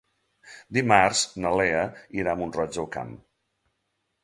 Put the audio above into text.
Dimarts na Lea irà a Mont-roig del Camp.